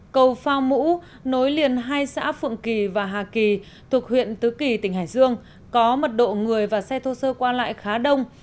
cầu phao mũ nối liền hai xã phượng kỳ và hà kỳ thuộc huyện tứ kỳ tỉnh hải dương có mật độ người và xe thô sơ qua lại khá đông